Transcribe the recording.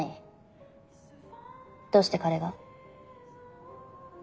どうして彼が？